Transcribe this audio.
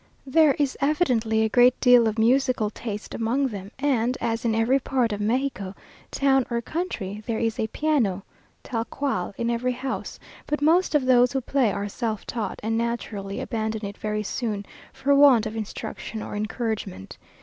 There is evidently a great deal of musical taste among them, and, as in every part of Mexico, town or country, there is a piano (tal cual) in every house; but most of those who play are self taught, and naturally abandon it very soon, for want of instruction or encouragement.